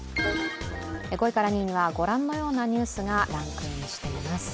５位から２位はご覧のようなニュースがランキングしています。